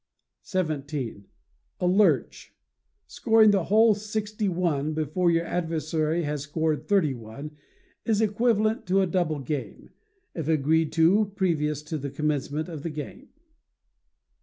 xvii. A lurch scoring the whole sixty one before your adversary has scored thirty one is equivalent to a double game, if agreed to previous to the commencement of the game.